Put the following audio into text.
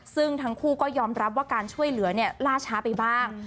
ซึ่งทั้งคู่ก็ยอมรับว่าการช่วยเหลือล่าช้าไปบ้าง